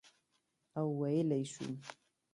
او ویلای شو،